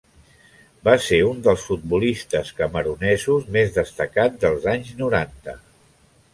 Va ser un dels futbolistes camerunesos més destacat dels anys noranta.